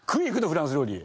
フランス料理。